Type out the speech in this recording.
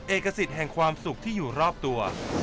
เอกสิทธิ์แห่งความสุขที่อยู่รอบตัว